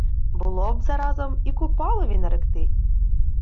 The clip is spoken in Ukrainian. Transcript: — Було б заразом і Купалові наректи.